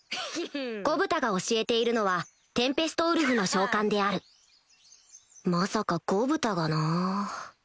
ゴブタが教えているのはテンペストウルフの召喚であるまさかゴブタがな